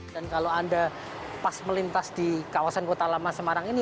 dan kalau anda pas melintas di kawasan kota lama semarang ini